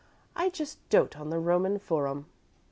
"I just dote on the Roman Forum."